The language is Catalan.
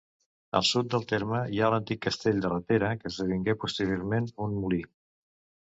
Al sud del terme hi ha l'antic castell de Ratera, que esdevingué posteriorment un molí.